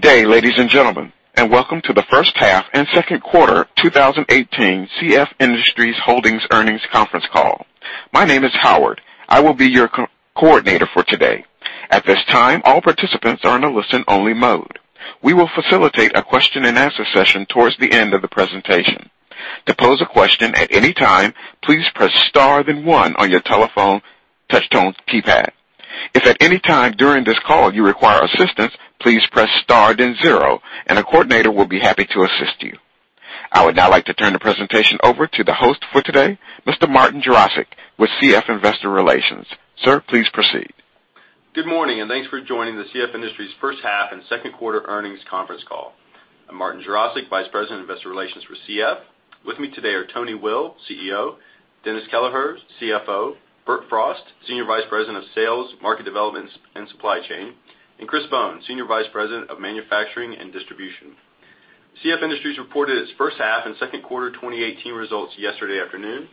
Good day, ladies and gentlemen, welcome to the first half and second quarter 2018 CF Industries Holdings earnings conference call. My name is Howard. I will be your coordinator for today. At this time, all participants are in a listen-only mode. We will facilitate a question and answer session towards the end of the presentation. To pose a question at any time, please press star then one on your telephone touch tone keypad. If at any time during this call you require assistance, please press star then zero, and a coordinator will be happy to assist you. I would now like to turn the presentation over to the host for today, Mr. Martin Jarosick with CF Investor Relations. Sir, please proceed. Good morning, thanks for joining the CF Industries first half and second quarter earnings conference call. I'm Martin Jarosick, Vice President of Investor Relations for CF. With me today are Tony Will, CEO; Dennis Kelleher, CFO; Bert Frost, Senior Vice President of Sales, Market Development and Supply Chain; and Chris Bohn, Senior Vice President of Manufacturing and Distribution. CF Industries reported its first half and second quarter 2018 results yesterday afternoon.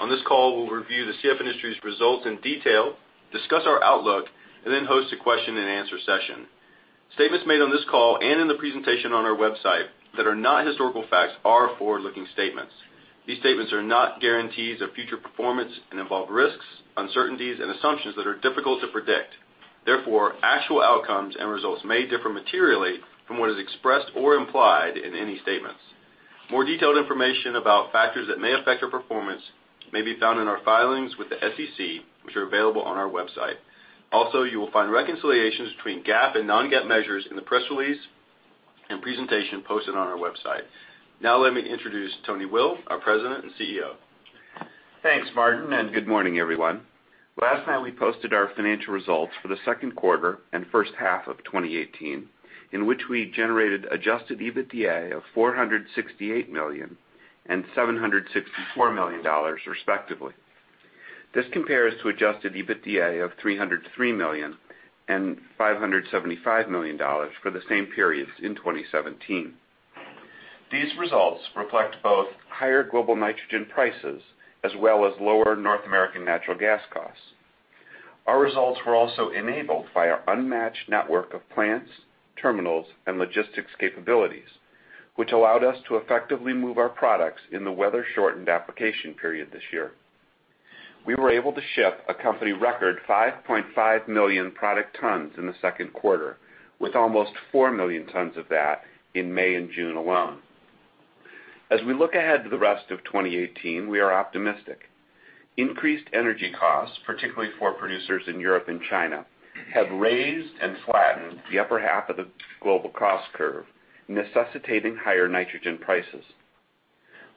On this call, we'll review the CF Industries results in detail, discuss our outlook, then host a question and answer session. Statements made on this call and in the presentation on our website that are not historical facts are forward-looking statements. These statements are not guarantees of future performance and involve risks, uncertainties, and assumptions that are difficult to predict. Therefore, actual outcomes and results may differ materially from what is expressed or implied in any statements. More detailed information about factors that may affect our performance may be found in our filings with the SEC, which are available on our website. Also, you will find reconciliations between GAAP and non-GAAP measures in the press release and presentation posted on our website. Let me introduce Tony Will, our President and CEO. Thanks, Martin, good morning, everyone. Last night, we posted our financial results for the second quarter and first half of 2018, in which we generated adjusted EBITDA of $468 million and $764 million respectively. This compares to adjusted EBITDA of $303 million and $575 million for the same periods in 2017. These results reflect both higher global nitrogen prices as well as lower North American natural gas costs. Our results were also enabled by our unmatched network of plants, terminals, and logistics capabilities, which allowed us to effectively move our products in the weather-shortened application period this year. We were able to ship a company record 5.5 million product tons in the second quarter, with almost four million tons of that in May and June alone. As we look ahead to the rest of 2018, we are optimistic. Increased energy costs, particularly for producers in Europe and China, have raised and flattened the upper half of the global cost curve, necessitating higher nitrogen prices.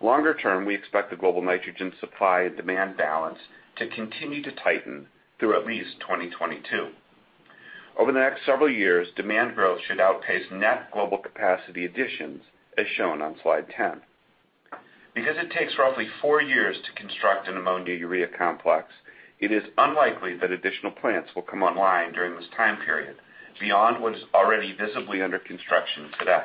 Longer term, we expect the global nitrogen supply and demand balance to continue to tighten through at least 2022. Over the next several years, demand growth should outpace net global capacity additions, as shown on slide 10. Because it takes roughly four years to construct an ammonia urea complex, it is unlikely that additional plants will come online during this time period beyond what is already visibly under construction today.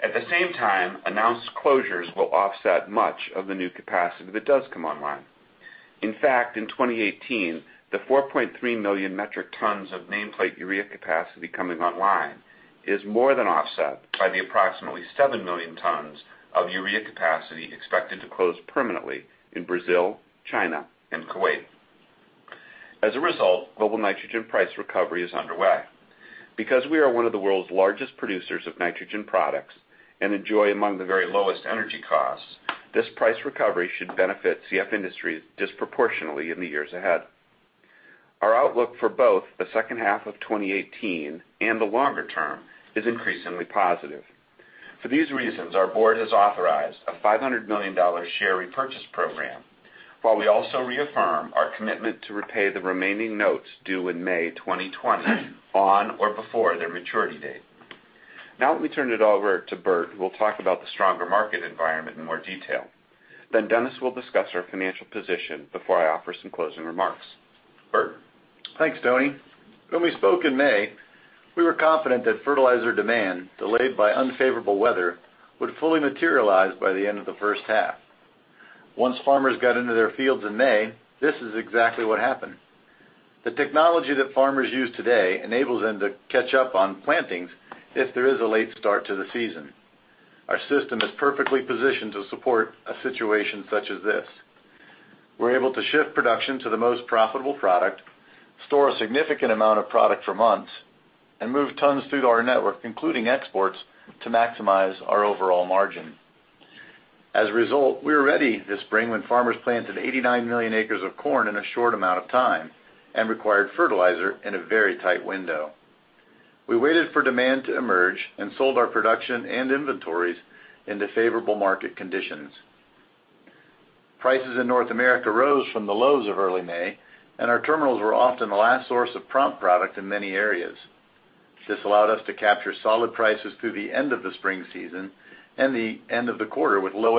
At the same time, announced closures will offset much of the new capacity that does come online. In fact, in 2018, the 4.3 million metric tons of nameplate urea capacity coming online is more than offset by the approximately seven million tons of urea capacity expected to close permanently in Brazil, China, and Kuwait. As a result, global nitrogen price recovery is underway. Because we are one of the world's largest producers of nitrogen products and enjoy among the very lowest energy costs, this price recovery should benefit CF Industries disproportionately in the years ahead. Our outlook for both the second half of 2018 and the longer term is increasingly positive. For these reasons, our board has authorized a $500 million share repurchase program, while we also reaffirm our commitment to repay the remaining notes due in May 2020 on or before their maturity date. Now let me turn it over to Bert, who will talk about the stronger market environment in more detail. Dennis will discuss our financial position before I offer some closing remarks. Bert? Thanks, Tony. When we spoke in May, we were confident that fertilizer demand delayed by unfavorable weather would fully materialize by the end of the first half. Once farmers got into their fields in May, this is exactly what happened. The technology that farmers use today enables them to catch up on plantings if there is a late start to the season. Our system is perfectly positioned to support a situation such as this. We're able to shift production to the most profitable product, store a significant amount of product for months, and move tons through our network, including exports, to maximize our overall margin. As a result, we were ready this spring when farmers planted 89 million acres of corn in a short amount of time and required fertilizer in a very tight window. We waited for demand to emerge and sold our production and inventories into favorable market conditions. Prices in North America rose from the lows of early May, and our terminals were often the last source of prompt product in many areas. This allowed us to capture solid prices through the end of the spring season and the end of the quarter with low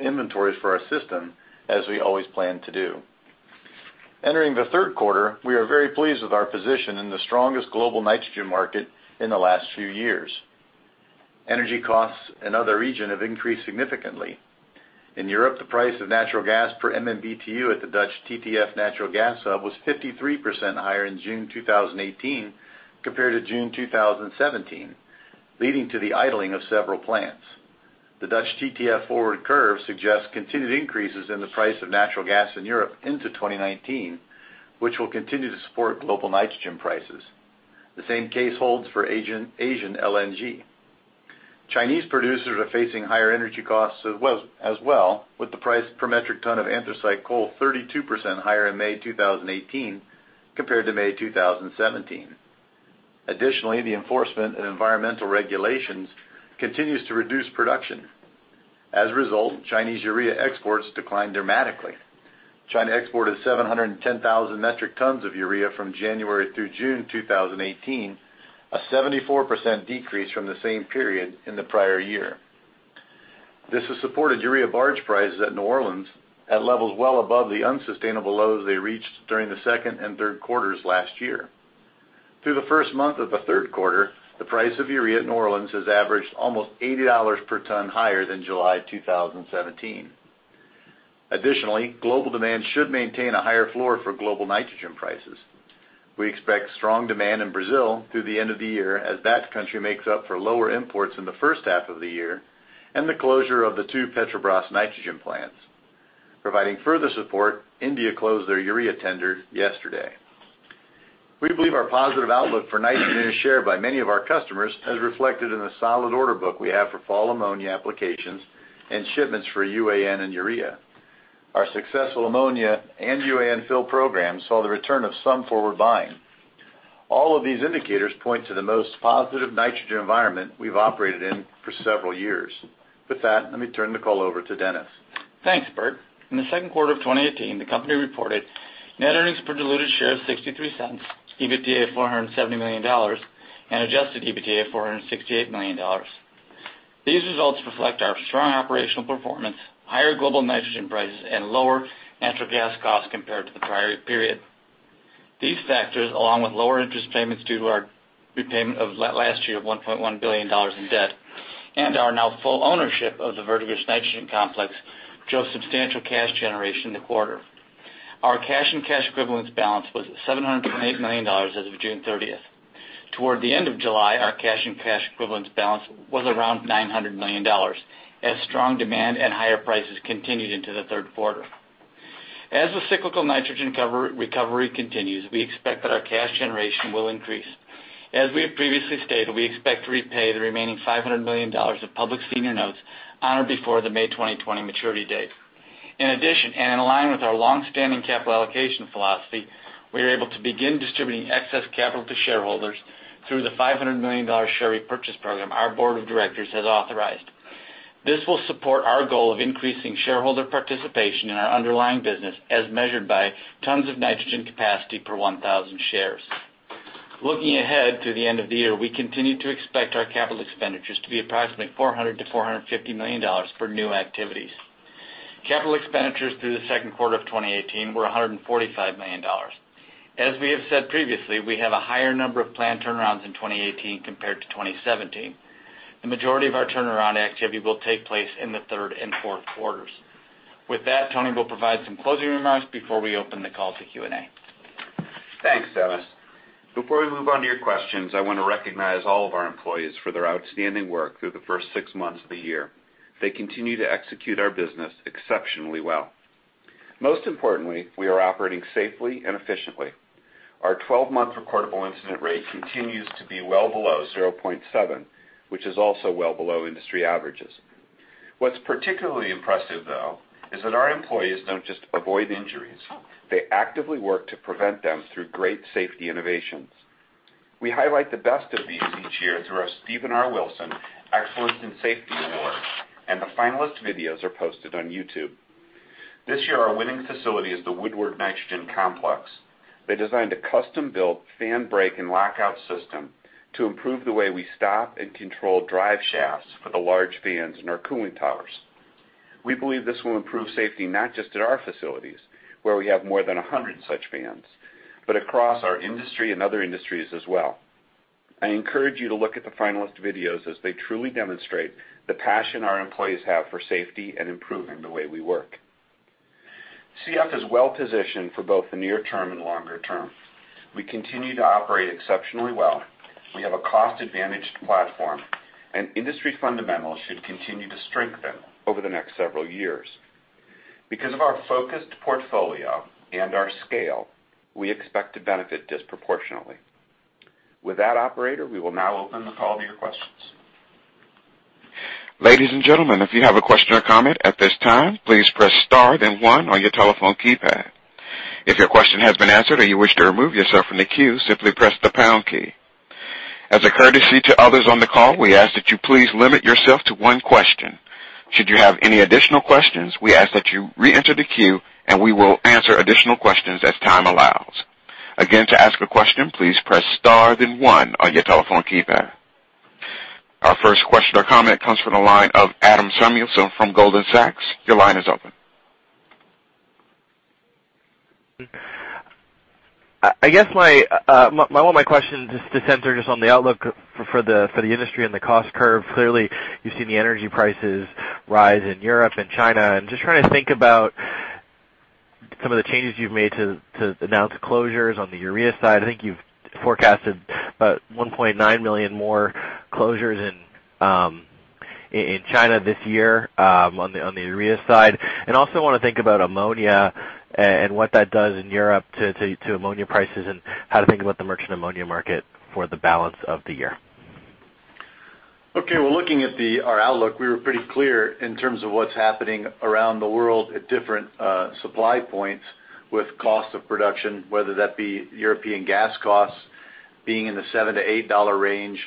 inventories for our system, as we always planned to do. Entering the third quarter, we are very pleased with our position in the strongest global nitrogen market in the last few years. Energy costs in other regions have increased significantly. In Europe, the price of natural gas per MMBtu at the Dutch TTF natural gas hub was 53% higher in June 2018 compared to June 2017, leading to the idling of several plants. The Dutch TTF forward curve suggests continued increases in the price of natural gas in Europe into 2019, which will continue to support global nitrogen prices. The same case holds for Asian LNG. Chinese producers are facing higher energy costs as well, with the price per metric ton of anthracite coal 32% higher in May 2018 compared to May 2017. Additionally, the enforcement and environmental regulations continues to reduce production. As a result, Chinese urea exports declined dramatically. China exported 710,000 metric tons of urea from January through June 2018, a 74% decrease from the same period in the prior year. This has supported urea barge prices at New Orleans at levels well above the unsustainable lows they reached during the second and third quarters last year. Through the first month of the third quarter, the price of urea at New Orleans has averaged almost $80 per ton higher than July 2017. Additionally, global demand should maintain a higher floor for global nitrogen prices. We expect strong demand in Brazil through the end of the year as that country makes up for lower imports in the first half of the year, and the closure of the two Petrobras nitrogen plants. Providing further support, India closed their urea tender yesterday. We believe our positive outlook for nitrogen is shared by many of our customers, as reflected in the solid order book we have for fall ammonia applications and shipments for UAN and urea. Our successful ammonia and UAN fill programs saw the return of some forward buying. All of these indicators point to the most positive nitrogen environment we've operated in for several years. With that, let me turn the call over to Dennis. Thanks, Bert. In the second quarter of 2018, the company reported net earnings per diluted share of $0.63, EBITDA of $470 million, and adjusted EBITDA of $468 million. These results reflect our strong operational performance, higher global nitrogen prices, and lower natural gas costs compared to the prior period. These factors, along with lower interest payments due to our repayment of last year of $1.1 billion in debt and our now full ownership of the Verdigris Nitrogen Complex, drove substantial cash generation in the quarter. Our cash and cash equivalents balance was $728 million as of June 30th. Toward the end of July, our cash and cash equivalents balance was around $900 million as strong demand and higher prices continued into the third quarter. As the cyclical nitrogen recovery continues, we expect that our cash generation will increase. As we have previously stated, we expect to repay the remaining $500 million of public senior notes on or before the May 2020 maturity date. In addition, and in line with our long-standing capital allocation philosophy, we are able to begin distributing excess capital to shareholders through the $500 million share repurchase program our board of directors has authorized. This will support our goal of increasing shareholder participation in our underlying business as measured by tons of nitrogen capacity per 1,000 shares. Looking ahead to the end of the year, we continue to expect our capital expenditures to be approximately $400 million-$450 million for new activities. Capital expenditures through the second quarter of 2018 were $145 million. As we have said previously, we have a higher number of planned turnarounds in 2018 compared to 2017. The majority of our turnaround activity will take place in the third and fourth quarters. With that, Tony Will provide some closing remarks before we open the call to Q&A. Thanks, Dennis. Before we move on to your questions, I want to recognize all of our employees for their outstanding work through the first six months of the year. They continue to execute our business exceptionally well. Most importantly, we are operating safely and efficiently. Our 12-month recordable incident rate continues to be well below 0.7, which is also well below industry averages. What's particularly impressive, though, is that our employees don't just avoid injuries. They actively work to prevent them through great safety innovations. We highlight the best of these each year through our Steven R. Wilson Excellence in Safety Award, and the finalist videos are posted on YouTube. This year, our winning facility is the Woodward Nitrogen Complex. They designed a custom-built fan brake and lockout system to improve the way we stop and control drive shafts for the large fans in our cooling towers. We believe this will improve safety not just at our facilities, where we have more than 100 such fans, but across our industry and other industries as well. I encourage you to look at the finalist videos as they truly demonstrate the passion our employees have for safety and improving the way we work. CF is well-positioned for both the near term and longer term. We continue to operate exceptionally well. We have a cost-advantaged platform, and industry fundamentals should continue to strengthen over the next several years. Because of our focused portfolio and our scale, we expect to benefit disproportionately. With that, operator, we will now open the call to your questions. Ladies and gentlemen, if you have a question or comment at this time, please press star then one on your telephone keypad. If your question has been answered or you wish to remove yourself from the queue, simply press the pound key. As a courtesy to others on the call, we ask that you please limit yourself to one question. Should you have any additional questions, we ask that you reenter the queue, and we will answer additional questions as time allows. Again, to ask a question, please press star then one on your telephone keypad. Our first question or comment comes from the line of Adam Samuelson from Goldman Sachs. Your line is open. I guess one of my questions is to center just on the outlook for the industry and the cost curve. Clearly, you've seen the energy prices rise in Europe and China. I am just trying to think about some of the changes you've made to announce closures on the urea side. I think you've forecasted about 1.9 million more closures in China this year on the urea side. I also want to think about ammonia and what that does in Europe to ammonia prices and how to think about the merchant ammonia market for the balance of the year. Okay. Well, looking at our outlook, we were pretty clear in terms of what's happening around the world at different supply points with cost of production, whether that be European gas costs being in the $7-$8 range,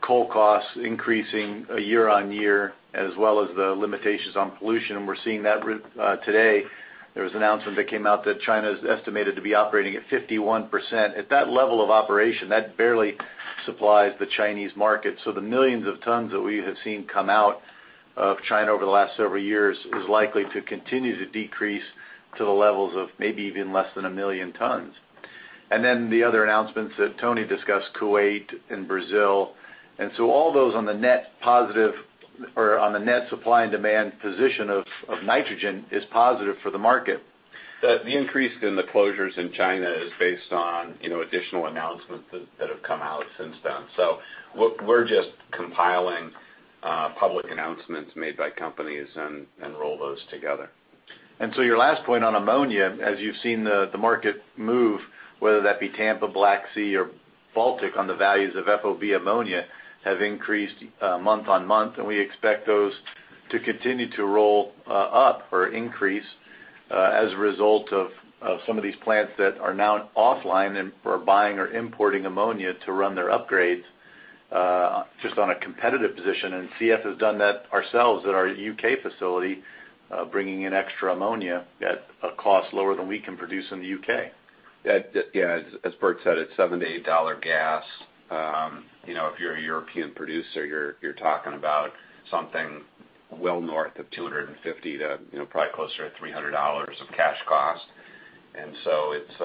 coal costs increasing year-on-year, as well as the limitations on pollution, and we're seeing that today. There was an announcement that came out that China's estimated to be operating at 51%. At that level of operation, that barely supplies the Chinese market. The millions of tons that we have seen come out of China over the last several years is likely to continue to decrease to the levels of maybe even less than 1 million tons. The other announcements that Tony discussed, Kuwait and Brazil. All those on the net positive or on the net supply and demand position of nitrogen is positive for the market. The increase in the closures in China is based on additional announcements that have come out since then. We're just compiling public announcements made by companies and roll those together. Your last point on ammonia, as you've seen the market move, whether that be Tampa, Black Sea, or Baltic on the values of FOB ammonia, have increased month-on-month, and we expect those to continue to roll up or increase as a result of some of these plants that are now offline and are buying or importing ammonia to run their upgrades just on a competitive position. CF has done that ourselves at our U.K. facility, bringing in extra ammonia at a cost lower than we can produce in the U.K. Yeah. As Bert said, it's $7-$8 gas. If you're a European producer, you're talking about something well north of $250 to probably closer to $300 of cash cost. It's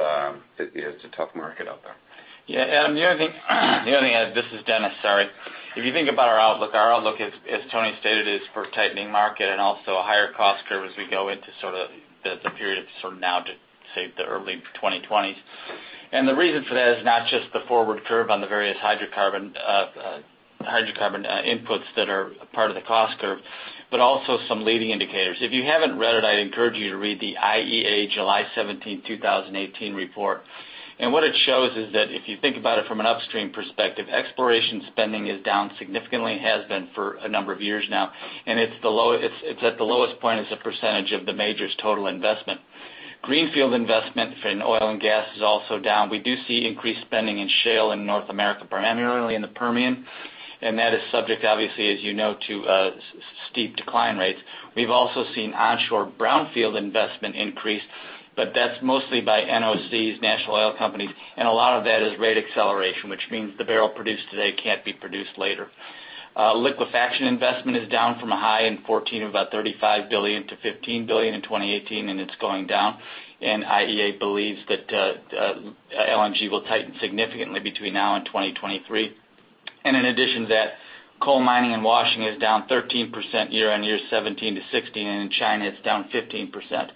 a tough market out there. Yeah, Adam, the only thing. This is Dennis, sorry. If you think about our outlook, our outlook, as Tony stated, is for a tightening market and also a higher cost curve as we go into the period of now to, say, the early 2020s. The reason for that is not just the forward curve on the various hydrocarbon inputs that are part of the cost curve, but also some leading indicators. If you haven't read it, I'd encourage you to read the IEA July 17th, 2018 report. What it shows is that if you think about it from an upstream perspective, exploration spending is down significantly and has been for a number of years now. It's at the lowest point as a percentage of the majors' total investment. Greenfield investment in oil and gas is also down. We do see increased spending in shale in North America, primarily in the Permian, and that is subject, obviously, as you know, to steep decline rates. We've also seen onshore brownfield investment increase, but that's mostly by NOCs, National Oil Companies, and a lot of that is rate acceleration, which means the barrel produced today can't be produced later. Liquefaction investment is down from a high in 2014 of about $35 billion to $15 billion in 2018, and it's going down. IEA believes that LNG will tighten significantly between now and 2023. In addition to that, coal mining and washing is down 13% year-over-year 2017-2016. In China, it's down 15%.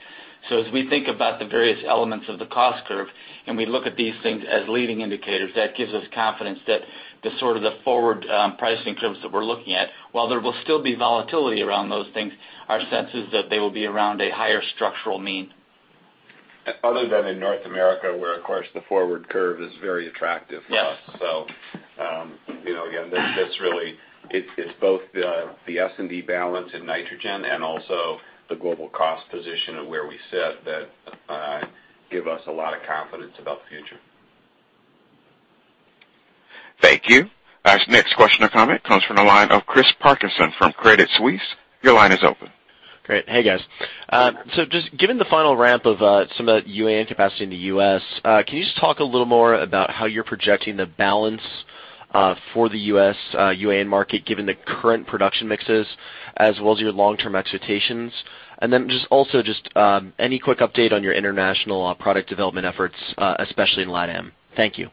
As we think about the various elements of the cost curve, and we look at these things as leading indicators, that gives us confidence that the forward pricing curves that we're looking at, while there will still be volatility around those things, our sense is that they will be around a higher structural mean. Other than in North America, where, of course, the forward curve is very attractive for us. Yes. Again, it's both the S&D balance in nitrogen and also the global cost position of where we sit that give us a lot of confidence about the future. Thank you. Our next question or comment comes from the line of Chris Parkinson from Credit Suisse. Your line is open. Great. Hey, guys. Just given the final ramp of some of the UAN capacity in the U.S., can you just talk a little more about how you're projecting the balance for the U.S. UAN market given the current production mixes as well as your long-term expectations? Just also, just any quick update on your international product development efforts, especially in LATAM. Thank you.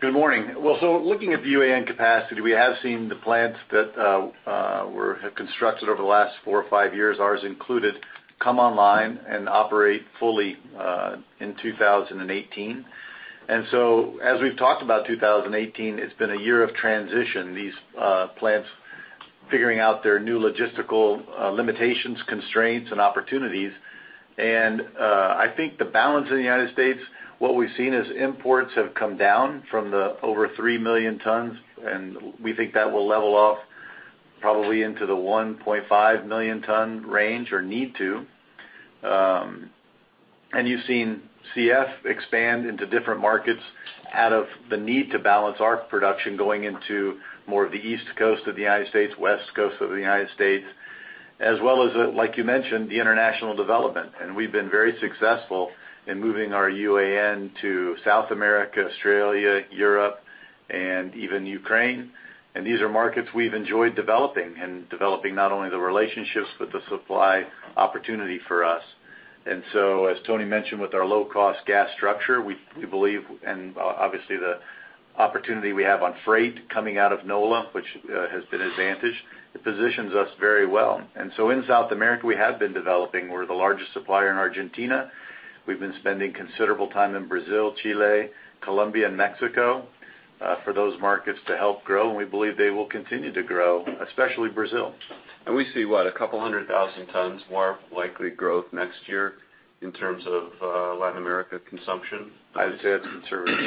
Good morning. Looking at the UAN capacity, we have seen the plants that have constructed over the last four or five years, ours included, come online and operate fully in 2018. As we've talked about 2018, it's been a year of transition. These plants figuring out their new logistical limitations, constraints, and opportunities. I think the balance in the United States, what we've seen is imports have come down from the over three million tons, we think that will level off probably into the 1.5 million ton range or need to. You've seen CF expand into different markets out of the need to balance our production going into more of the East Coast of the United States, West Coast of the United States, as well as, like you mentioned, the international development. We've been very successful in moving our UAN to South America, Australia, Europe. Even Ukraine. These are markets we've enjoyed developing not only the relationships, but the supply opportunity for us. As Tony Will mentioned, with our low-cost gas structure, we believe, obviously the opportunity we have on freight coming out of NOLA, which has been advantage, it positions us very well. In South America, we have been developing. We're the largest supplier in Argentina. We've been spending considerable time in Brazil, Chile, Colombia, and Mexico, for those markets to help grow, and we believe they will continue to grow, especially Brazil. We see what? 200,000 tons more likely growth next year in terms of Latin America consumption? I'd say that's conservative.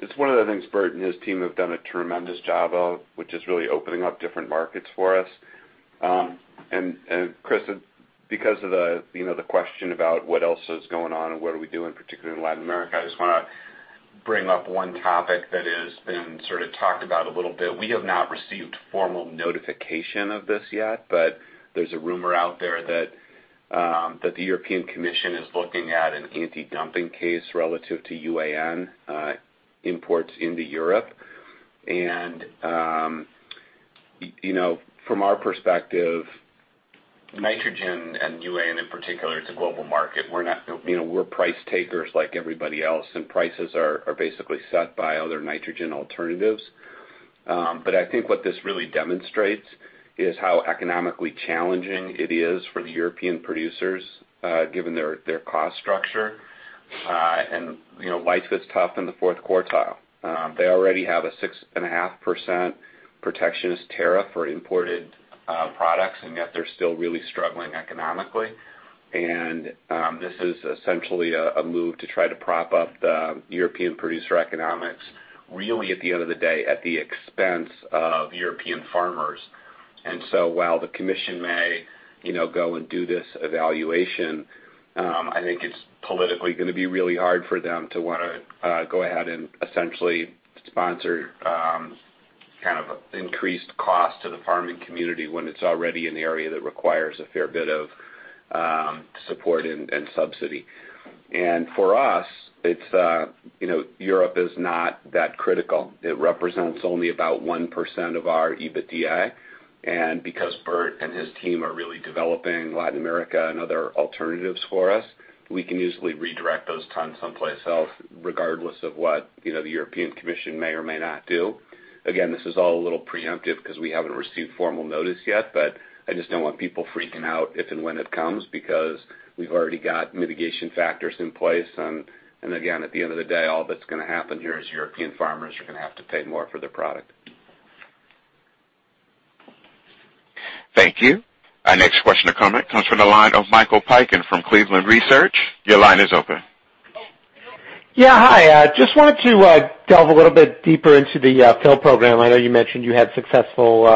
It's one of the things Bert Frost and his team have done a tremendous job of, which is really opening up different markets for us. Chris, because of the question about what else is going on and what are we doing, particularly in Latin America, I just want to bring up one topic that has been sort of talked about a little bit. We have not received formal notification of this yet, but there's a rumor out there that the European Commission is looking at an anti-dumping case relative to UAN imports into Europe. From our perspective, nitrogen, UAN in particular, it's a global market. We're price takers like everybody else, and prices are basically set by other nitrogen alternatives. I think what this really demonstrates is how economically challenging it is for the European producers given their cost structure. Life is tough in the fourth quartile. They already have a 6.5% protectionist tariff for imported products, and yet they're still really struggling economically. This is essentially a move to try to prop up the European producer economics, really at the end of the day, at the expense of European farmers. While the commission may go and do this evaluation, I think it's politically gonna be really hard for them to want to go ahead and essentially sponsor increased cost to the farming community when it's already in the area that requires a fair bit of support and subsidy. For us, Europe is not that critical. It represents only about 1% of our EBITDA. Because Bert Frost and his team are really developing Latin America and other alternatives for us, we can easily redirect those tons someplace else, regardless of what the European Commission may or may not do. Again, this is all a little preemptive because we haven't received formal notice yet, but I just don't want people freaking out if and when it comes because we've already got mitigation factors in place. Again, at the end of the day, all that's gonna happen here is European farmers are gonna have to pay more for their product. Thank you. Our next question or comment comes from the line of Michael Piken from Cleveland Research. Your line is open. Yeah. Hi. Just wanted to delve a little bit deeper into the fill program. I know you mentioned you had successful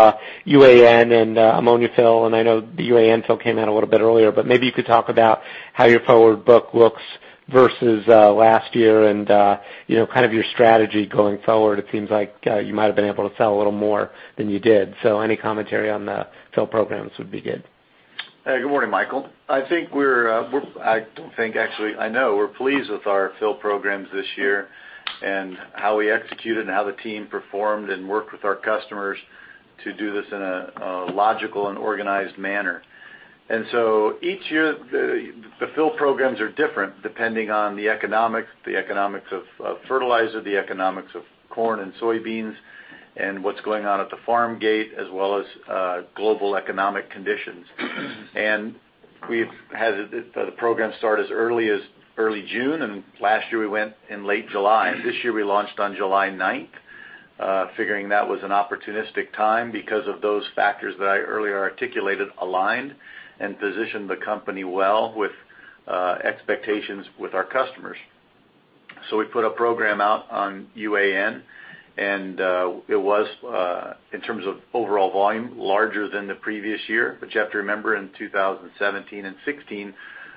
UAN and ammonia fill. I know the UAN fill came out a little bit earlier, maybe you could talk about how your forward book looks versus last year and kind of your strategy going forward. It seems like you might've been able to sell a little more than you did. Any commentary on the fill programs would be good. Hey, good morning, Michael. I know we're pleased with our fill programs this year and how we executed and how the team performed and worked with our customers to do this in a logical and organized manner. Each year, the fill programs are different depending on the economics, the economics of fertilizer, the economics of corn and soybeans, and what's going on at the farm gate, as well as global economic conditions. We've had the program start as early as early June, and last year we went in late July. This year we launched on July 9th, figuring that was an opportunistic time because of those factors that I earlier articulated aligned and positioned the company well with expectations with our customers. We put a program out on UAN, and it was, in terms of overall volume, larger than the previous year. But you have to remember in 2017 and 2016,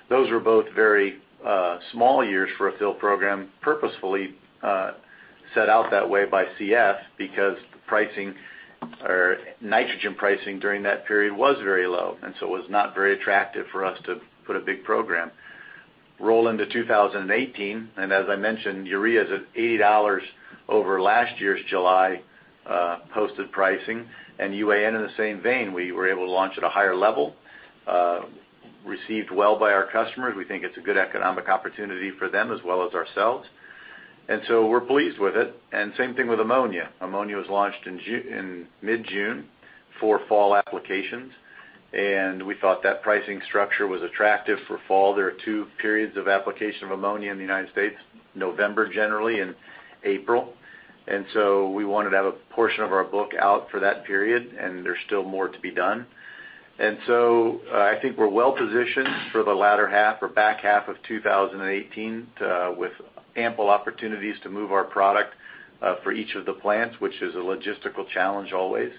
those were both very small years for a fill program purposefully set out that way by CF because the pricing or nitrogen pricing during that period was very low. It was not very attractive for us to put a big program. Roll into 2018, as I mentioned, urea's at $80 over last year's July posted pricing. UAN in the same vein, we were able to launch at a higher level. Received well by our customers. We think it's a good economic opportunity for them as well as ourselves. We're pleased with it. Same thing with ammonia. Ammonia was launched in mid-June for fall applications. We thought that pricing structure was attractive for fall. There are two periods of application of ammonia in the U.S., November generally, and April. We wanted to have a portion of our book out for that period. There's still more to be done. I think we're well positioned for the latter half or back half of 2018 with ample opportunities to move our product for each of the plants, which is a logistical challenge always.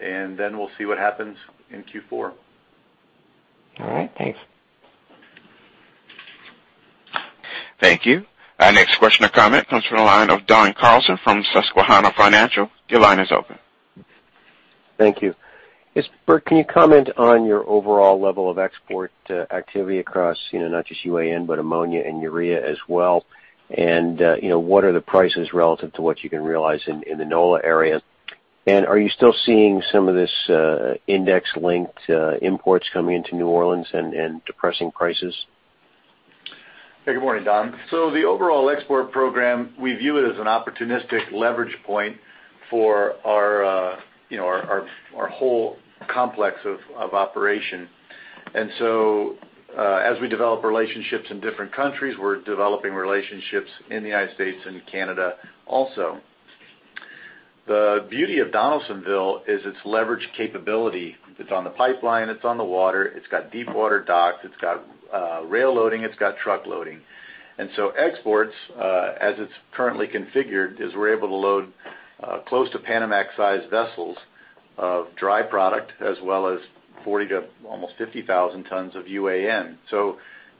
Then we'll see what happens in Q4. All right. Thanks. Thank you. Our next question or comment comes from the line of Don Carlson from Susquehanna Financial. Your line is open. Thank you. Yes, Bert, can you comment on your overall level of export activity across, not just UAN, but ammonia and urea as well? What are the prices relative to what you can realize in the NOLA area? Are you still seeing some of this index-linked imports coming into New Orleans and depressing prices? Hey, good morning, Don. The overall export program, we view it as an opportunistic leverage point for our whole complex of operation. As we develop relationships in different countries, we're developing relationships in the U.S. and Canada also. The beauty of Donaldsonville is its leverage capability. It's on the pipeline, it's on the water, it's got deep water docks, it's got rail loading, it's got truck loading. Exports, as it's currently configured, is we're able to load close to Panamax-sized vessels of dry product, as well as 40 to almost 50,000 tons of UAN.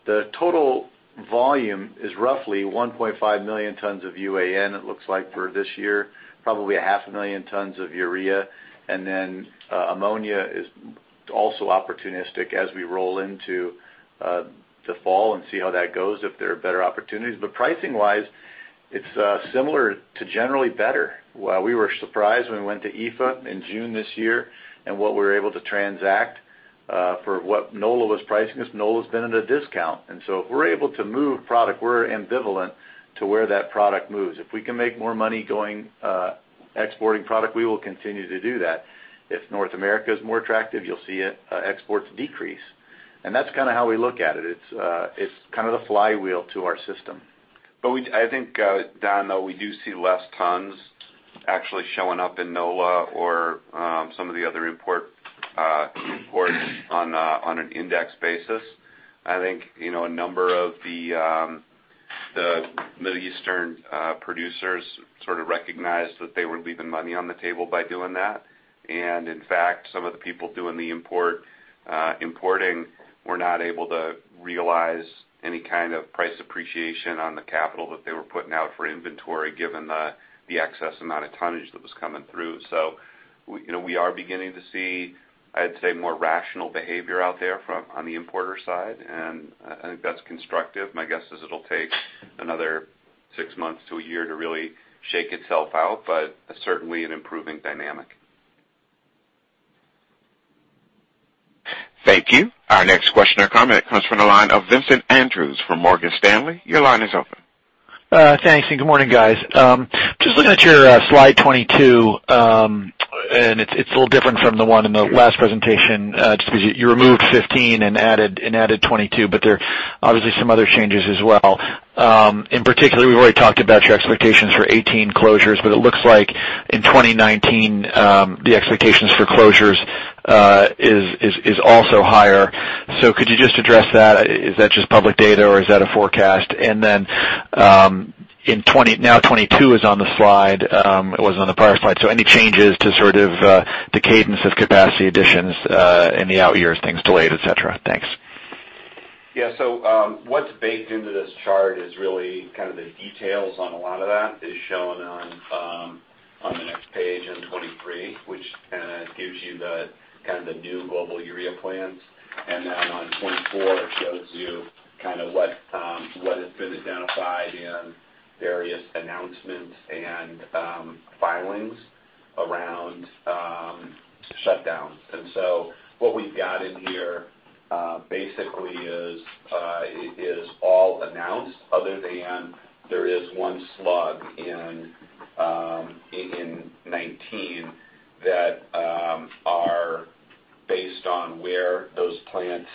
The total volume is roughly 1.5 million tons of UAN, it looks like for this year. Probably a half a million tons of urea. Ammonia is also opportunistic as we roll into the fall and see how that goes, if there are better opportunities. Pricing wise, it's similar to generally better. While we were surprised when we went to IFA in June this year and what we were able to transact for what NOLA was pricing, because NOLA's been at a discount. If we're able to move product, we're ambivalent to where that product moves. If we can make more money exporting product, we will continue to do that. If North America is more attractive, you'll see exports decrease. That's kind of how we look at it. It's kind of the flywheel to our system. I think, Don, though, we do see less tons actually showing up in NOLA or some of the other import ports on an index basis. I think a number of the Middle Eastern producers sort of recognized that they were leaving money on the table by doing that. In fact, some of the people doing the importing were not able to realize any kind of price appreciation on the capital that they were putting out for inventory, given the excess amount of tonnage that was coming through. We are beginning to see, I'd say, more rational behavior out there on the importer side, and I think that's constructive. My guess is it'll take another 6 months to a year to really shake itself out, but certainly an improving dynamic. Thank you. Our next question or comment comes from the line of Vincent Andrews from Morgan Stanley. Your line is open. Thanks. Good morning, guys. Just looking at your slide 22. It's a little different from the one in the last presentation, just because you removed 15 and added 22. There are obviously some other changes as well. In particular, we've already talked about your expectations for 2018 closures, but it looks like in 2019, the expectations for closures is also higher. Could you just address that? Is that just public data or is that a forecast? Now 22 is on the slide. It wasn't on the prior slide. Any changes to sort of the cadence of capacity additions in the out years, things delayed, et cetera? Thanks. What's baked into this chart is really kind of the details on a lot of that is shown on the next page in 23, which kind of gives you the new global urea plans. On 24, it shows you what has been identified in various announcements and filings around shutdowns. What we've got in here basically is all announced other than there is one slug in 2019 that are based on where those plants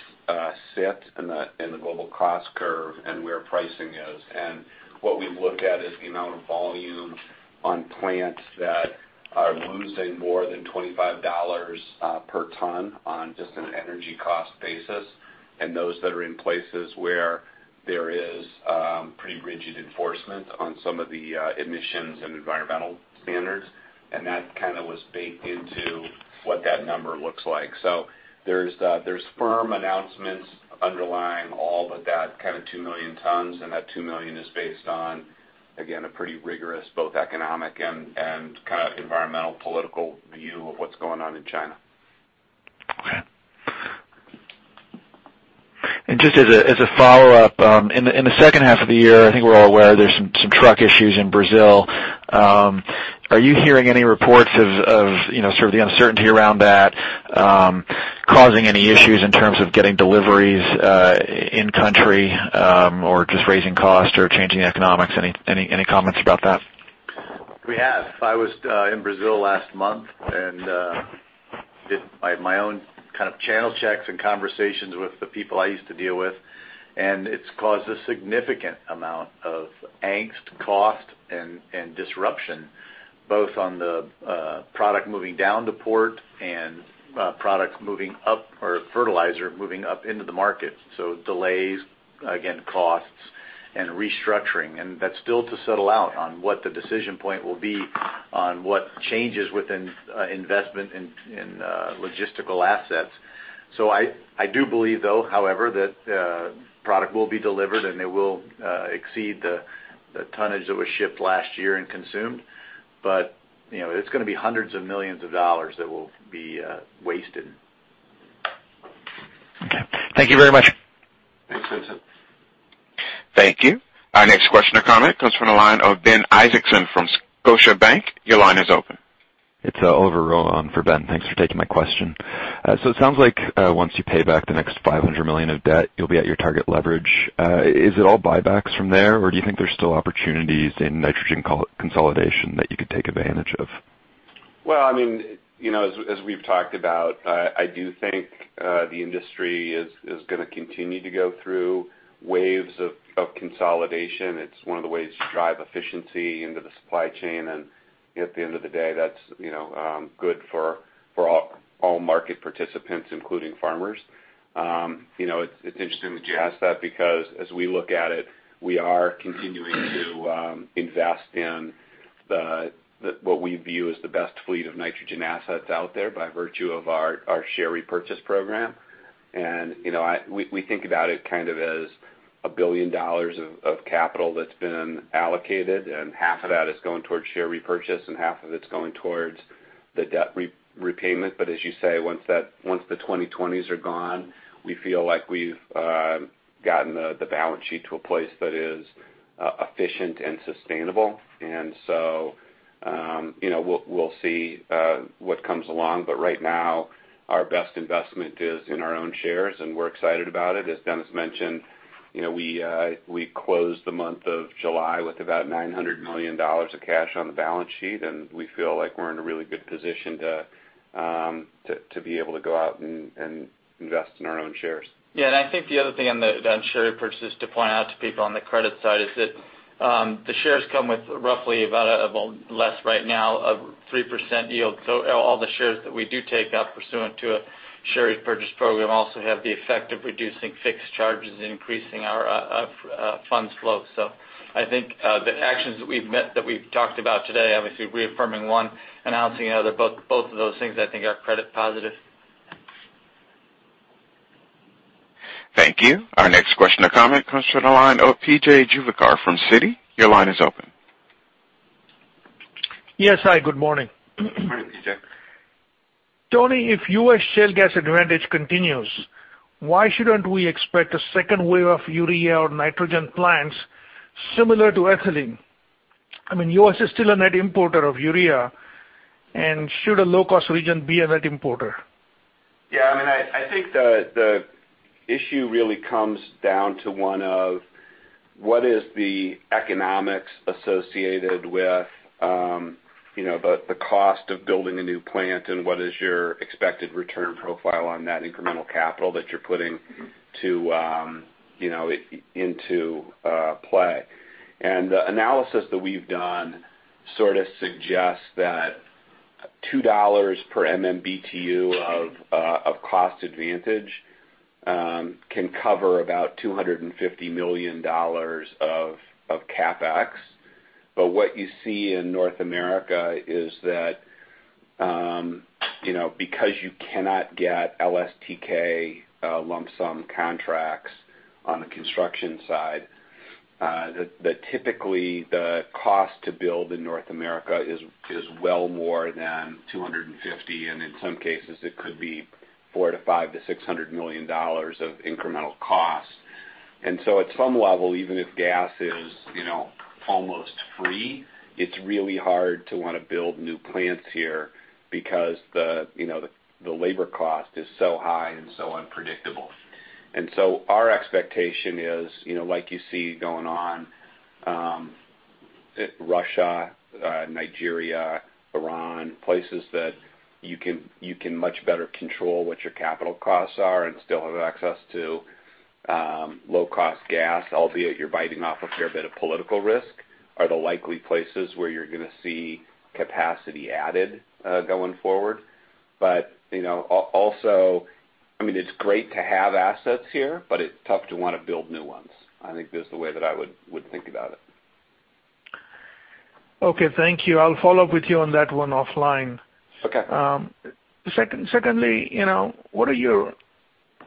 sit in the global cost curve and where pricing is. What we look at is the amount of volume on plants that are losing more than $25 per ton on just an energy cost basis. Those that are in places where there is pretty rigid enforcement on some of the emissions and environmental standards. That kind of was baked into what that number looks like. There's firm announcements underlying all of that kind of 2 million tons. That 2 million is based on, again, a pretty rigorous, both economic and kind of environmental, political view of what's going on in China. Okay. Just as a follow-up. In the second half of the year, I think we're all aware there's some truck issues in Brazil. Are you hearing any reports of sort of the uncertainty around that causing any issues in terms of getting deliveries in country, or just raising costs or changing economics? Any comments about that? We have. I was in Brazil last month, did my own kind of channel checks and conversations with the people I used to deal with. It's caused a significant amount of angst, cost, and disruption, both on the product moving down the port and fertilizer moving up into the market. Delays, again, costs and restructuring. That's still to settle out on what the decision point will be on what changes within investment in logistical assets. I do believe though, however, that product will be delivered and it will exceed the tonnage that was shipped last year and consumed. It's going to be $hundreds of millions of dollars that will be wasted. Okay. Thank you very much. Thanks, Vincent. Thank you. Our next question or comment comes from the line of Ben Isaacson from Scotiabank. Your line is open. It's Oliver Rowe for Ben. Thanks for taking my question. It sounds like once you pay back the next $500 million of debt, you'll be at your target leverage. Is it all buybacks from there, or do you think there's still opportunities in nitrogen consolidation that you could take advantage of? Well, as we've talked about, I do think the industry is going to continue to go through waves of consolidation. It's one of the ways to drive efficiency into the supply chain, and at the end of the day, that's good for all market participants, including farmers. It's interesting that you ask that because as we look at it, we are continuing to invest in what we view as the best fleet of nitrogen assets out there by virtue of our share repurchase program. We think about it kind of as $1 billion of capital that's been allocated, and half of that is going towards share repurchase, and half of it's going towards the debt repayment. As you say, once the 2020s are gone, we feel like we've gotten the balance sheet to a place that is efficient and sustainable. We'll see what comes along. Right now, our best investment is in our own shares, and we're excited about it. As Dennis mentioned, we closed the month of July with about $900 million of cash on the balance sheet, and we feel like we're in a really good position to be able to go out and invest in our own shares. I think the other thing on the share purchase to point out to people on the credit side is that the shares come with roughly about, less right now, a 3% yield. All the shares that we do take up pursuant to a share repurchase program also have the effect of reducing fixed charges and increasing our funds flow. I think the actions that we've talked about today, obviously reaffirming one, announcing another, both of those things I think are credit positive. Thank you. Our next question or comment comes from the line of P.J. Juvekar from Citi. Your line is open. Yes, hi, good morning. Morning, P.J. Tony, if U.S. shale gas advantage continues, why shouldn't we expect a second wave of urea or nitrogen plants similar to ethylene? I mean, U.S. is still a net importer of urea. Should a low-cost region be a net importer? Yeah, I think the issue really comes down to one of what is the economics associated with the cost of building a new plant and what is your expected return profile on that incremental capital that you're putting into play. The analysis that we've done sort of suggests that $2 per MMBtu of cost advantage can cover about $250 million of CapEx. What you see in North America is that because you cannot get LSTK lump sum contracts on the construction side, that typically the cost to build in North America is well more than $250 million, and in some cases it could be $400 million to $500 million to $600 million of incremental cost. At some level, even if gas is almost free, it's really hard to want to build new plants here because the labor cost is so high and so unpredictable. Our expectation is, like you see going on Russia, Nigeria, Iran, places that you can much better control what your capital costs are and still have access to low-cost gas, albeit you're biting off a fair bit of political risk, are the likely places where you're going to see capacity added going forward. Also, it's great to have assets here, it's tough to want to build new ones. I think that's the way that I would think about it. Okay, thank you. I'll follow up with you on that one offline. Okay. Secondly, what are your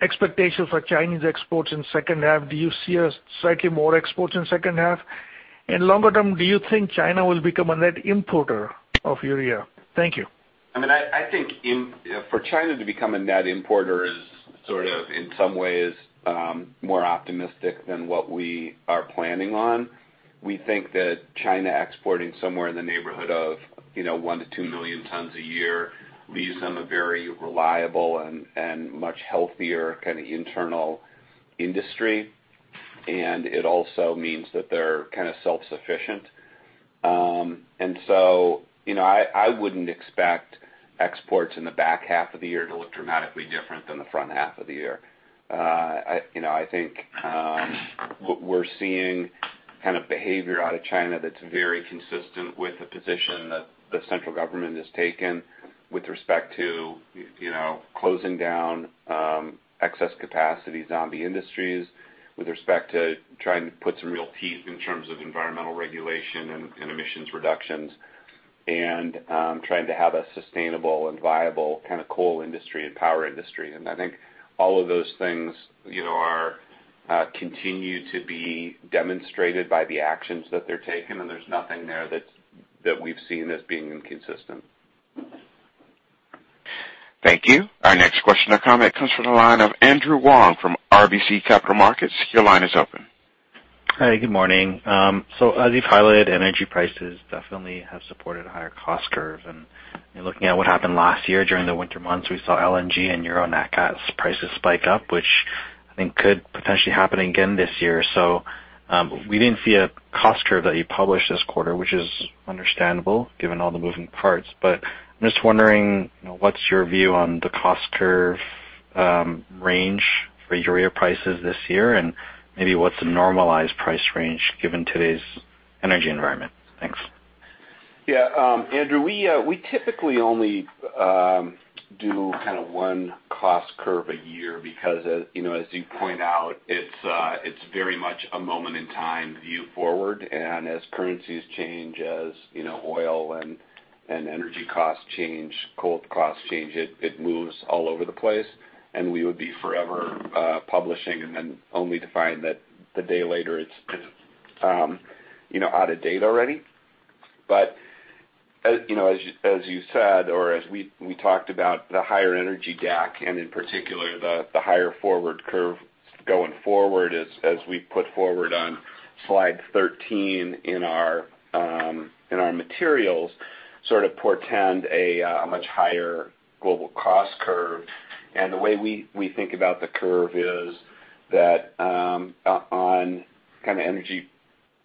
expectations for Chinese exports in second half? Do you see slightly more exports in second half? Longer term, do you think China will become a net importer of urea? Thank you. I think for China to become a net importer is sort of in some ways more optimistic than what we are planning on. We think that China exporting somewhere in the neighborhood of one to two million tons a year leaves them a very reliable and much healthier kind of internal industry. It also means that they're kind of self-sufficient. So I wouldn't expect exports in the back half of the year to look dramatically different than the front half of the year. I think we're seeing behavior out of China that's very consistent with the position that the central government has taken with respect to closing down excess capacity zombie industries with respect to trying to put some real teeth in terms of environmental regulation and emissions reductions and trying to have a sustainable and viable kind of coal industry and power industry. I think all of those things continue to be demonstrated by the actions that they're taking, and there's nothing there that we've seen as being inconsistent. Thank you. Our next question or comment comes from the line of Andrew Wong from RBC Capital Markets. Your line is open. Hi, good morning. As you've highlighted, energy prices definitely have supported a higher cost curve. Looking at what happened last year during the winter months, we saw LNG and urea prices spike up, which I think could potentially happen again this year. We didn't see a cost curve that you published this quarter, which is understandable given all the moving parts. I'm just wondering what's your view on the cost curve range for urea prices this year, and maybe what's the normalized price range given today's energy environment? Thanks. Yeah. Andrew, we typically only do kind of one cost curve a year because as you point out, it's very much a moment in time view forward. As currencies change, as oil and energy costs change, coal costs change, it moves all over the place. We would be forever publishing and then only to find that a day later it's out of date already. As you said or as we talked about the higher energy DAC and in particular the higher forward curve going forward as we put forward on slide 13 in our materials sort of portend a much higher global cost curve. The way we think about the curve is that on kind of energy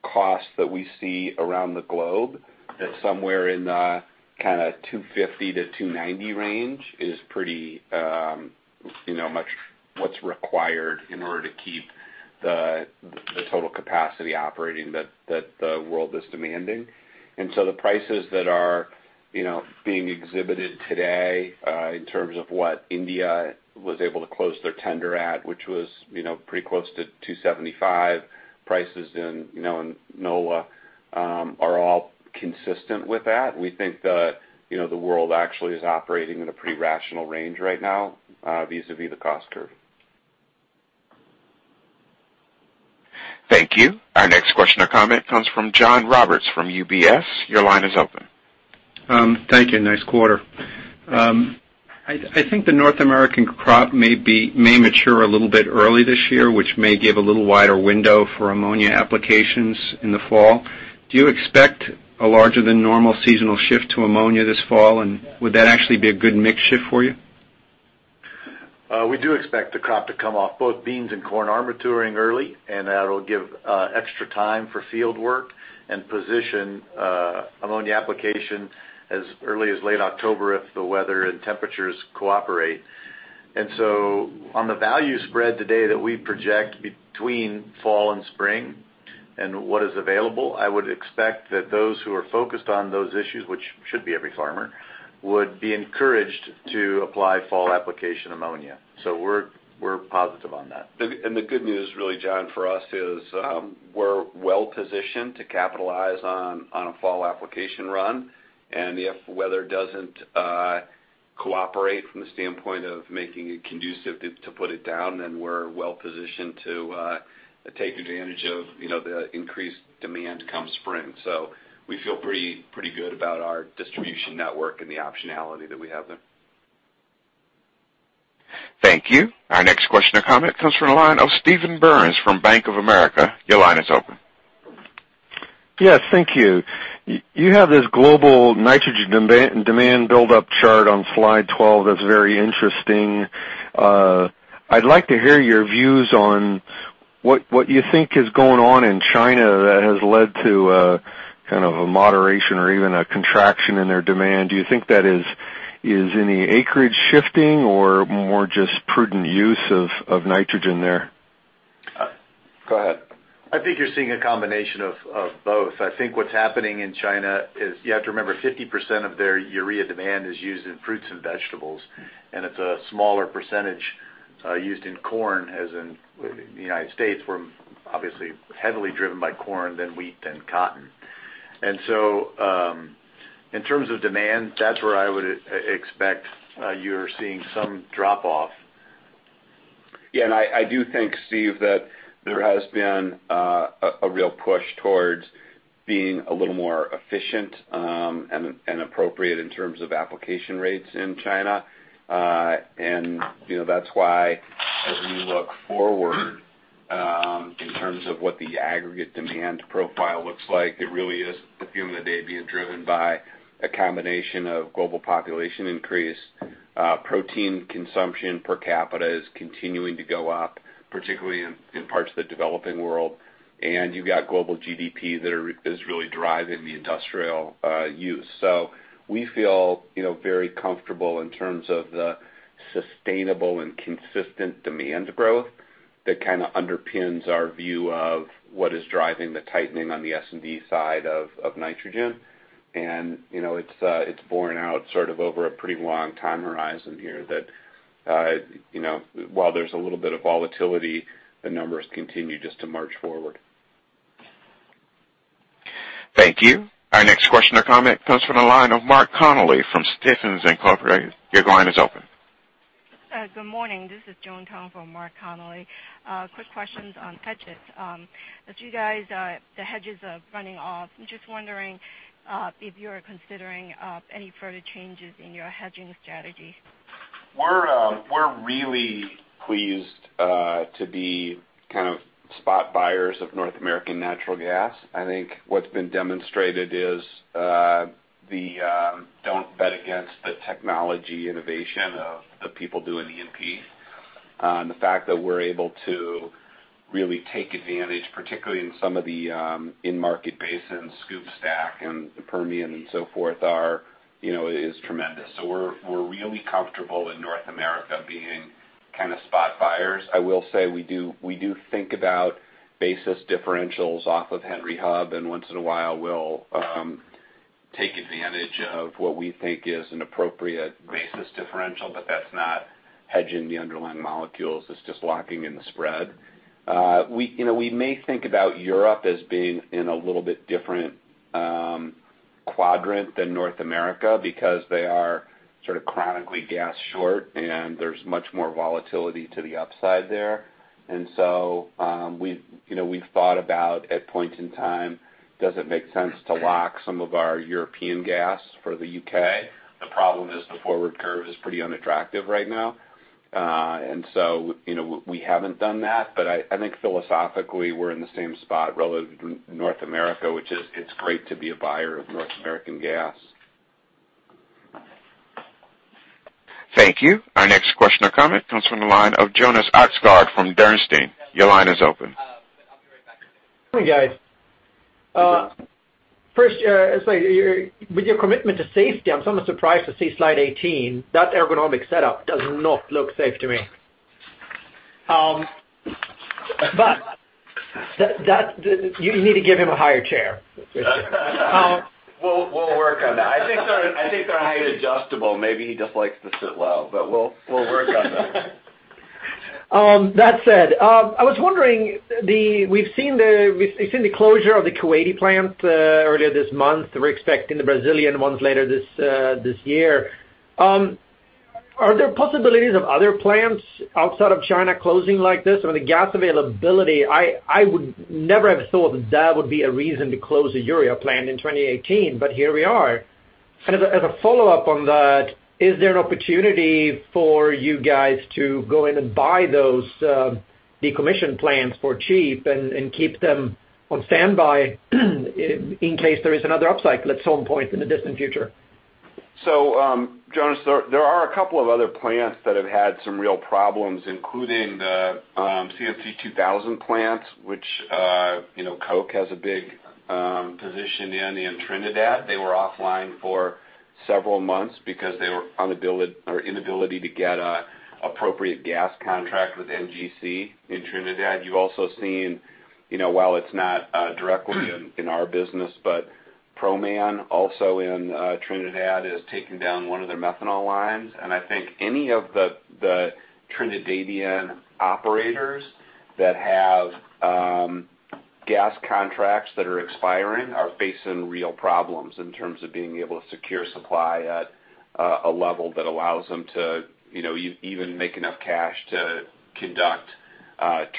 costs that we see around the globe, that somewhere in the kind of $250-$290 range is pretty much what's required in order to keep the total capacity operating that the world is demanding. The prices that are being exhibited today in terms of what India was able to close their tender at, which was pretty close to $275 prices in NOLA are all consistent with that. We think that the world actually is operating in a pretty rational range right now vis-a-vis the cost curve. Thank you. Our next question or comment comes from John Roberts from UBS. Your line is open. Thank you. Nice quarter. I think the North American crop may mature a little bit early this year, which may give a little wider window for ammonia applications in the fall. Do you expect a larger than normal seasonal shift to ammonia this fall, and would that actually be a good mix shift for you? We do expect the crop to come off. Both beans and corn are maturing early, and that'll give extra time for fieldwork and position ammonia application as early as late October if the weather and temperatures cooperate. On the value spread today that we project between fall and spring and what is available, I would expect that those who are focused on those issues, which should be every farmer, would be encouraged to apply fall application ammonia. We're positive on that. The good news really, John, for us is we're well positioned to capitalize on a fall application run. If weather doesn't cooperate from the standpoint of making it conducive to put it down, then we're well positioned to take advantage of the increased demand come spring. We feel pretty good about our distribution network and the optionality that we have there. Thank you. Our next question or comment comes from the line of Stephen Byrne from Bank of America. Your line is open. Yes, thank you. You have this global nitrogen demand buildup chart on slide 12 that's very interesting. I'd like to hear your views on what you think is going on in China that has led to a kind of a moderation or even a contraction in their demand. Do you think that is any acreage shifting or more just prudent use of nitrogen there? Go ahead. I think you're seeing a combination of both. I think what's happening in China is you have to remember 50% of their urea demand is used in fruits and vegetables, and it's a smaller percentage used in corn as in the United States. We're obviously heavily driven by corn, then wheat, then cotton. In terms of demand, that's where I would expect you're seeing some drop off. Yeah. I do think, Steve, that there has been a real push towards being a little more efficient and appropriate in terms of application rates in China. That's why as we look forward in terms of what the aggregate demand profile looks like, it really is the theme of the day being driven by a combination of global population increase. Protein consumption per capita is continuing to go up, particularly in parts of the developing world. You've got global GDP that is really driving the industrial use. We feel very comfortable in terms of the sustainable and consistent demand growth that kind of underpins our view of what is driving the tightening on the S&D side of nitrogen. It's borne out sort of over a pretty long time horizon here that while there's a little bit of volatility, the numbers continue just to march forward. Thank you. Our next question or comment comes from the line of Mark Connelly from Stephens Inc. Your line is open. Good morning. This is Joan Tong from Mark Connelly. Quick questions on hedges. As you guys, the hedges are running off. I'm just wondering if you are considering any further changes in your hedging strategy. We're really pleased to be kind of spot buyers of North American natural gas. I think what's been demonstrated is the don't bet against the technology innovation of the people doing E&P. The fact that we're able to really take advantage, particularly in some of the in-market basins, SCOOP/STACK and the Permian and so forth, is tremendous. We're really comfortable in North America being kind of spot buyers. I will say we do think about basis differentials off of Henry Hub, and once in a while, we'll take advantage of what we think is an appropriate basis differential, but that's not hedging the underlying molecules. It's just locking in the spread. We may think about Europe as being in a little bit different quadrant than North America because they are sort of chronically gas short, and there's much more volatility to the upside there. We've thought about, at point in time, does it make sense to lock some of our European gas for the U.K.? The problem is the forward curve is pretty unattractive right now. We haven't done that. I think philosophically, we're in the same spot relative to North America, which is it's great to be a buyer of North American gas. Thank you. Our next question or comment comes from the line of Jonas Oxgaard from Bernstein. Your line is open. Morning, guys. First, with your commitment to safety, I'm somewhat surprised to see slide 18. That ergonomic setup does not look safe to me. You need to give him a higher chair. We'll work on that. I think they're height adjustable. Maybe he just likes to sit low, but we'll work on that. That said, I was wondering, we've seen the closure of the Kuwaiti plant earlier this month. We're expecting the Brazilian ones later this year. Are there possibilities of other plants outside of China closing like this? With the gas availability, I would never have thought that would be a reason to close a urea plant in 2018, but here we are. As a follow-up on that, is there an opportunity for you guys to go in and buy those decommissioned plants for cheap and keep them on standby in case there is another upcycle at some point in the distant future? Jonas, there are a couple of other plants that have had some real problems, including the Nitrogen (2000) Unlimited plants, which Koch has a big position in Trinidad. They were offline for several months because they were inability to get appropriate gas contract with NGC in Trinidad. You also seen, while it's not directly in our business, Proman also in Trinidad, is taking down one of their methanol lines. I think any of the Trinidadian operators that have gas contracts that are expiring are facing real problems in terms of being able to secure supply at a level that allows them to even make enough cash to conduct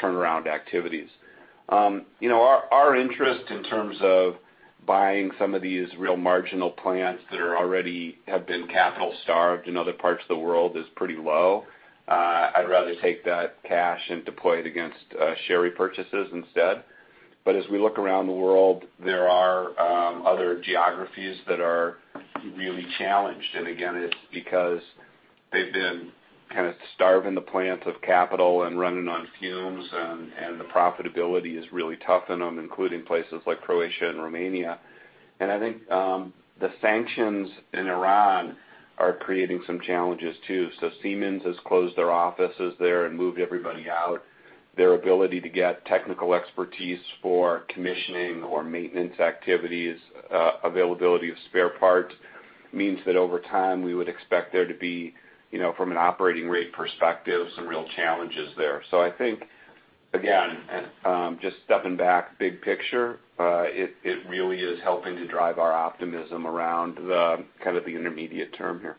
turnaround activities. Our interest in terms of buying some of these real marginal plants that already have been capital-starved in other parts of the world is pretty low. I'd rather take that cash and deploy it against share repurchases instead. As we look around the world, there are other geographies that are really challenged. Again, it's because they've been kind of starving the plants of capital and running on fumes, and the profitability is really tough in them, including places like Croatia and Romania. I think the sanctions in Iran are creating some challenges too. Siemens has closed their offices there and moved everybody out. Their ability to get technical expertise for commissioning or maintenance activities, availability of spare parts means that over time we would expect there to be, from an operating rate perspective, some real challenges there. I think, again, just stepping back big picture, it really is helping to drive our optimism around the kind of the intermediate term here.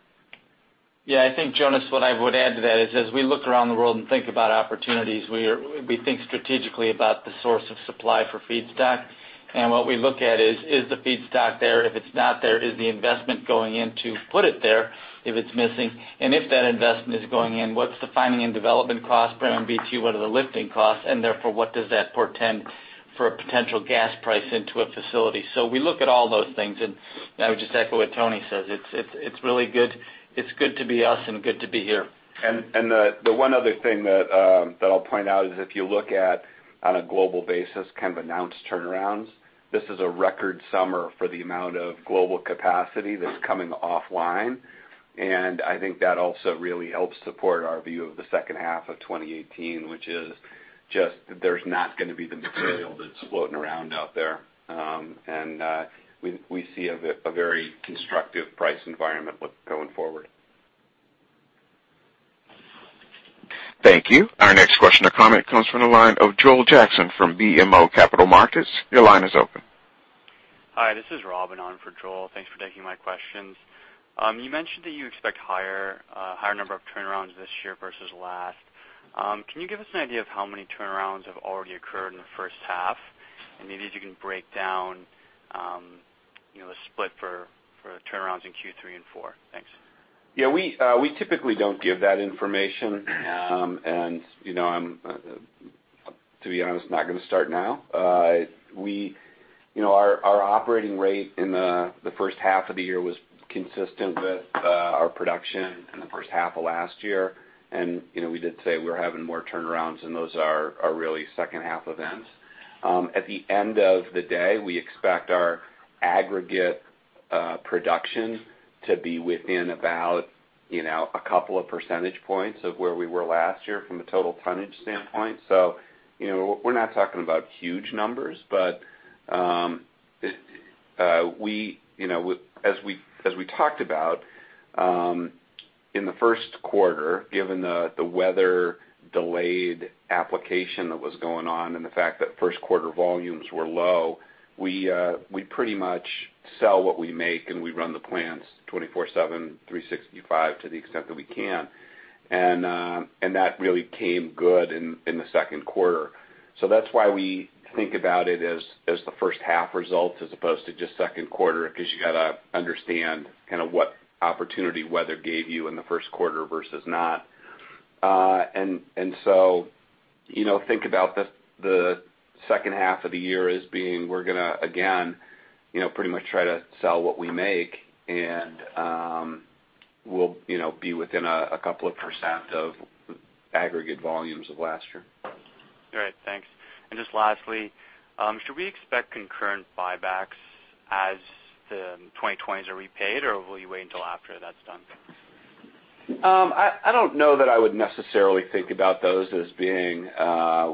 I think Jonas, what I would add to that is as we look around the world and think about opportunities, we think strategically about the source of supply for feedstock. What we look at is the feedstock there? If it's not there, is the investment going in to put it there if it's missing? If that investment is going in, what's the finding and development cost per MMBtu? What are the lifting costs? Therefore, what does that portend for a potential gas price into a facility? We look at all those things, and I would just echo what Tony says. It's good to be us and good to be here. The one other thing that I'll point out is if you look at on a global basis, kind of announced turnarounds, this is a record summer for the amount of global capacity that's coming offline. I think that also really helps support our view of the second half of 2018, which is there's not going to be the material that's floating around out there. We see a very constructive price environment going forward. Thank you. Our next question or comment comes from the line of Joel Jackson from BMO Capital Markets. Your line is open. Hi, this is Rob, on for Joel. Thanks for taking my questions. You mentioned that you expect a higher number of turnarounds this year versus last. Can you give us an idea of how many turnarounds have already occurred in the first half? Maybe if you can break down a split for turnarounds in Q3 and Q4. Thanks. Yeah, we typically don't give that information. To be honest, I'm not going to start now. Our operating rate in the first half of the year was consistent with our production in the first half of last year. We did say we're having more turnarounds, and those are really second half events. At the end of the day, we expect our aggregate production to be within about a couple of percentage points of where we were last year from a total tonnage standpoint. We're not talking about huge numbers, but as we talked about in the first quarter, given the weather delayed application that was going on and the fact that first quarter volumes were low, we pretty much sell what we make and we run the plants 24/7, 365 to the extent that we can. That really came good in the second quarter. That's why we think about it as the first half results as opposed to just second quarter, because you got to understand what opportunity weather gave you in the first quarter versus not. Think about the second half of the year as being we're going to, again, pretty much try to sell what we make and we'll be within a couple of percent of aggregate volumes of last year. All right. Thanks. Just lastly, should we expect concurrent buybacks as the 2020s are repaid, or will you wait until after that's done? I don't know that I would necessarily think about those as being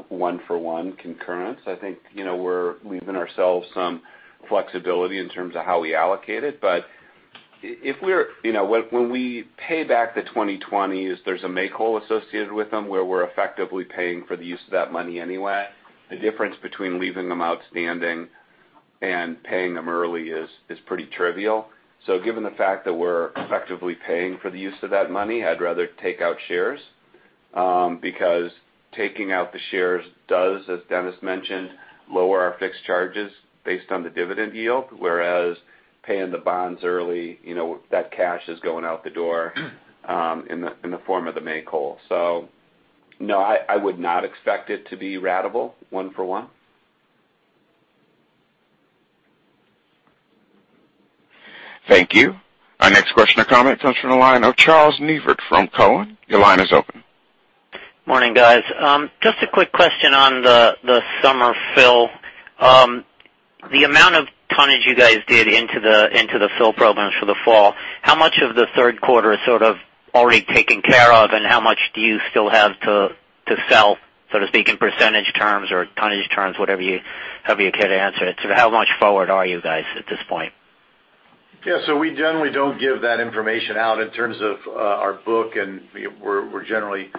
one for one concurrence. I think we've given ourselves some flexibility in terms of how we allocate it. When we pay back the 2020s, there's a make whole associated with them where we're effectively paying for the use of that money anyway. The difference between leaving them outstanding and paying them early is pretty trivial. Given the fact that we're effectively paying for the use of that money, I'd rather take out shares. Taking out the shares does, as Dennis mentioned, lower our fixed charges based on the dividend yield, whereas paying the bonds early that cash is going out the door in the form of the make whole. No, I would not expect it to be ratable one for one. Thank you. Our next question or comment comes from the line of Charles Neivert from Cowen. Your line is open. Morning, guys. Just a quick question on the summer fill. The amount of tonnage you guys did into the fill programs for the fall, how much of the third quarter is sort of already taken care of and how much do you still have to sell, so to speak, in percentage terms or tonnage terms, however you care to answer it. How much forward are you guys at this point? We generally don't give that information out in terms of our book. We're generally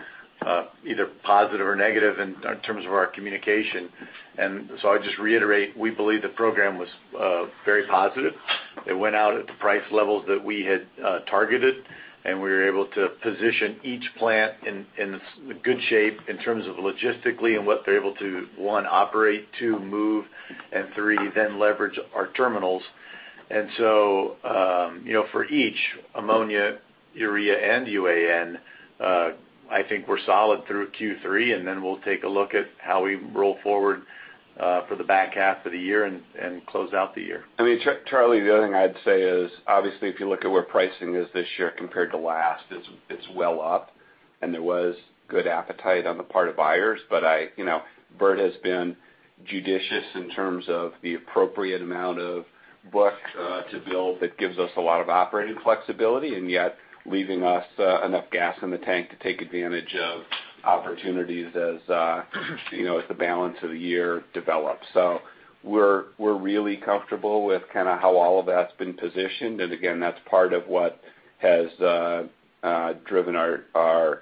either positive or negative in terms of our communication. I'd just reiterate, we believe the program was very positive. It went out at the price levels that we had targeted. We were able to position each plant in good shape in terms of logistically and what they're able to, one, operate, two, move, and three, leverage our terminals. For each ammonia, urea, and UAN I think we're solid through Q3 and then we'll take a look at how we roll forward for the back half of the year and close out the year. Charlie, the other thing I'd say is obviously if you look at where pricing is this year compared to last, it's well up. There was good appetite on the part of buyers. Burt has been judicious in terms of the appropriate amount of book to build that gives us a lot of operating flexibility and yet leaving us enough gas in the tank to take advantage of opportunities as the balance of the year develops. We're really comfortable with how all of that's been positioned. Again, that's part of what has driven our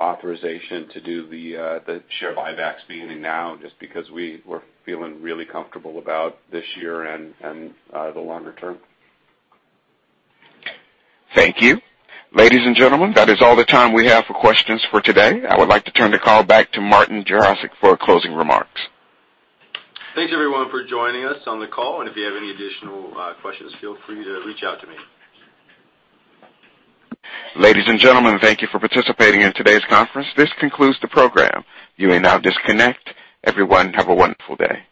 authorization to do the share buybacks beginning now just because we were feeling really comfortable about this year and the longer term. Thank you. Ladies and gentlemen, that is all the time we have for questions for today. I would like to turn the call back to Martin Jarosick for closing remarks. Thanks everyone for joining us on the call. If you have any additional questions, feel free to reach out to me. Ladies and gentlemen, thank you for participating in today's conference. This concludes the program. You may now disconnect. Everyone, have a wonderful day.